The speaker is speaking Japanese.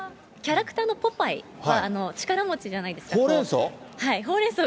キャラクターのポパイは、力持ちじゃないですか。